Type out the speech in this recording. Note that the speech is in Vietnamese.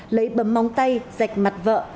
lấy bấm móng tay dạy mặt vợ